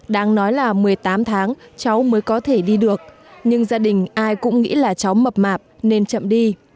đáng nói là một mươi tám tháng cháu mới có thể đi được nhưng gia đình ai cũng nghĩ là cháu mập mạp nên chậm đi